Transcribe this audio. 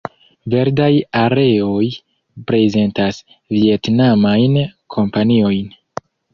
Verdaj areoj prezentas vjetnamajn kompaniojn.